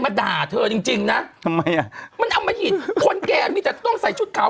ด่าเธอจริงจริงนะทำไมอ่ะมันอมหิตคนแก่มีแต่ต้องใส่ชุดขาว